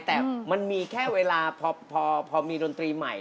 แต่มันมีแค่เวลาพอมีดนตรีใหม่